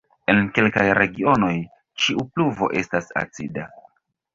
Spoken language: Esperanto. En kelkaj regionoj ĉiu pluvo estas acida.